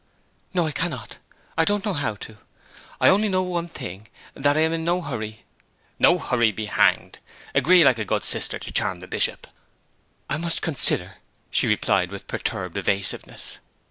'No, I cannot, I don't know how to! I only know one thing, that I am in no hurry ' '"No hurry" be hanged! Agree, like a good sister, to charm the Bishop.' 'I must consider!' she replied, with perturbed evasiveness.